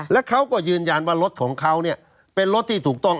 และเขาก็ยืนยันว่ารถของเขาเนี่ยเป็นรถที่ถูกต้อง